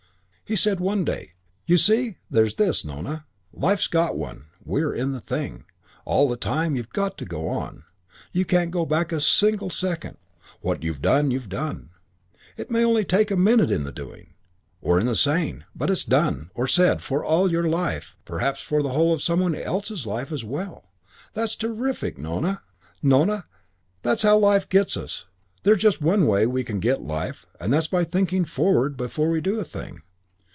VI He said one day, "You see, there's this, Nona. Life's got one. We're in the thing. All the time you've got to go on. You can't go back one single second. What you've done, you've done. It may take only a minute in the doing, or in the saying, but it's done, or said, for all your life, perhaps for the whole of some one else's life as well. That's terrific, Nona. "Nona, that's how life gets us; there's just one way we can get life and that's by thinking forward before we do a thing.